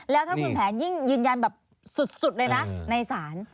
แล้วถ้าคุณแผนยิ่งยืนยันแบบสุดเลยนะในศาล